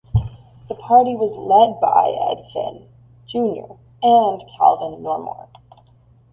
The party was led by Ed Finn, Junior and Calvin Normore.